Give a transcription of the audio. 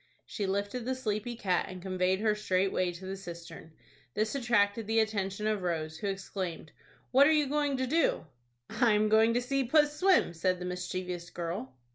She lifted the sleepy cat, and conveyed her straightway to the cistern. This attracted the attention of Rose, who exclaimed, "What are you going to do?" "I am going to see puss swim," said the mischievous girl.